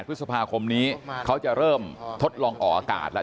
พฤษภาคมนี้เขาจะเริ่มทดลองออกอากาศแล้ว